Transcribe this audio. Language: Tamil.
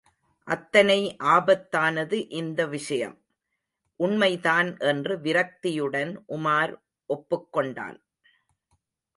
அத்தனை ஆபத்தானது இந்த விஷயம்! உண்மைதான் என்று விரக்தியுடன் உமார் ஒப்புக்கொண்டான்.